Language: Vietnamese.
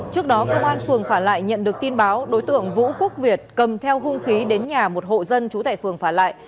trước đó công an phường phả lại nhận được tin báo đối tượng vũ quốc việt cầm theo hung khí đến nhà một hộ dân trú tại phường phả lại